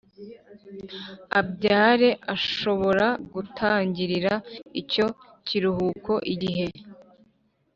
Abyare ashobora gutangirira icyo kiruhuko igihe